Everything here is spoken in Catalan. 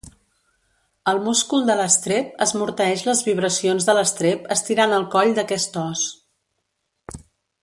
El múscul de l'estrep esmorteeix les vibracions de l'estrep estirant el coll d'aquest os.